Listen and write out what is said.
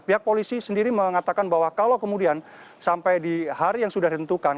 pihak polisi sendiri mengatakan bahwa kalau kemudian sampai di hari yang sudah ditentukan